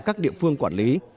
các địa phương quản lý